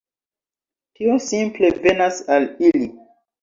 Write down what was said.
Tio simple venas al ili.